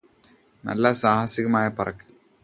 നല്ല സാഹസികമായ പറക്കല്